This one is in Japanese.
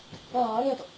ありがとう。